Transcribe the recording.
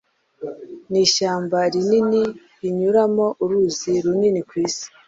ni ishyamba rinini rinyuramo uruzi runini ku isi